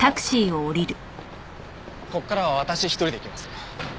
ここからは私一人で行きます。